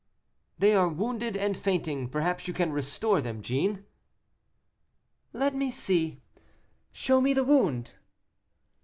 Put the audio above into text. "They are wounded and fainting; perhaps you can restore them, Jeanne?" "Let me see; show me the wound."